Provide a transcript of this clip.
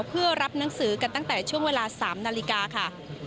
เพื่อรับหนังสือกันตั้งแต่ช่วงเวลา๓นาฬิกาค่ะ